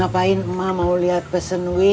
tidak ada rencana